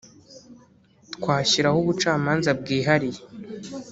twashyiraho ubucamanza bwihariye